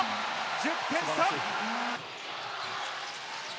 １０点差！